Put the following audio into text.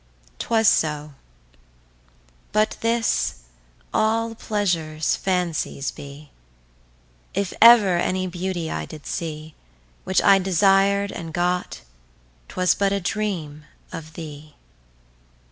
T'was so; But this, all pleasures fancies bee. If ever any beauty I did see, Which I desir'd, and got, t'was but a dreame of thee.